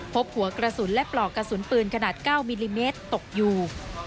พบหัวกระสุนและปลอกกระสุนปืนขนาด๙มิลลิเมตรตกอยู่